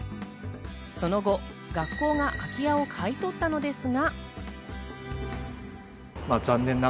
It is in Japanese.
その後、学校が空き家を買い取ったのですが。